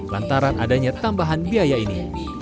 lantaran adanya tambahan biaya ini